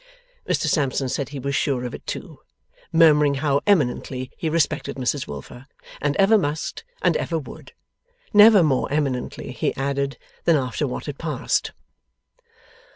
Mr Sampson said he was sure of it too; murmuring how eminently he respected Mrs Wilfer, and ever must, and ever would. Never more eminently, he added, than after what had passed.